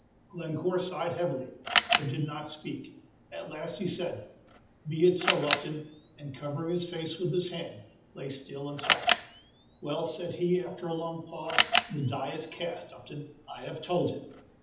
Glenoore sighed heavily, but did not speak; at last he said, "Be it so, Upton," and, covering his face with his hand, lay still and silent. "Well," said he, after a long pause, "the die is cast, Upton: I have told him!"